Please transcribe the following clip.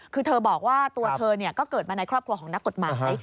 คือเธอบอกว่าตัวเธอก็เกิดมาในครอบครัวของนักกฎหมาย